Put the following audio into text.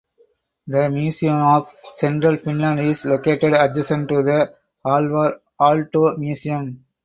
The Museum of Central Finland is located adjacent to the Alvar Aalto Museum.